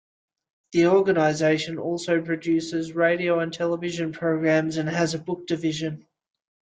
The organization also produces radio and television programs and has a book division.